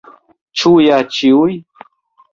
Ĉu ja ĉiuj?